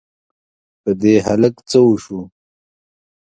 په دې هلک څه وشوو؟!